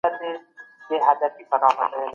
نور فصلونه په لاره دي.